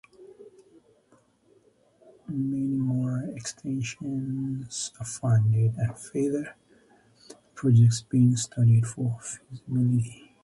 Many more extensions are funded, with further projects being studied for feasibility.